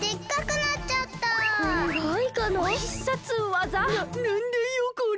ななんだよこれ？